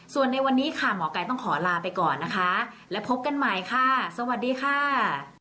ส่วนในวันนี้ค่ะหมอไก่ต้องขอลาไปก่อนนะคะและพบกันใหม่ค่ะสวัสดีค่ะ